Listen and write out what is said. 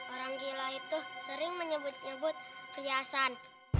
orang gila itu sering menyebut nyebut riasan